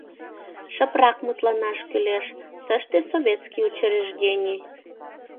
Шыпрак мутланаш кӱлеш: тыште советский учреждений.